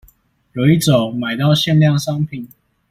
有一種買到限量商品